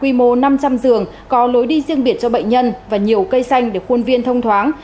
quy mô năm trăm linh giường có lối đi riêng biệt cho bệnh nhân và nhiều cây xanh để khuôn viên thông thoáng